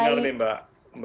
nggak dengar nih mbak